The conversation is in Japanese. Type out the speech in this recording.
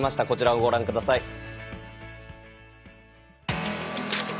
こちらをご覧ください。